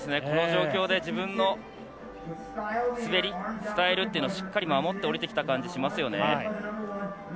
この状況で自分の滑り、スタイルというのをしっかり守って降りてきた感じしますよね。